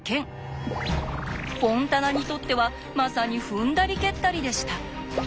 フォンタナにとってはまさに踏んだり蹴ったりでした。